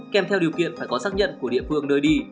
kèm theo điều kiện phải có xác nhận của địa phương nơi đi